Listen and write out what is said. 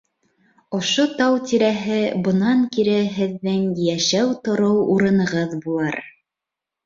Ошо тау тирәһе бынан кире һеҙҙең йәшәү-тороу урынығыҙ булыр!